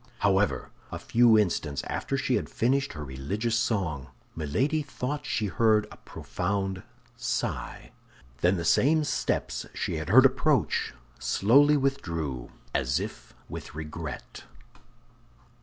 However, a few instants after she had finished her religious song, Milady thought she heard a profound sigh. Then the same steps she had heard approach slowly withdrew, as if with regret.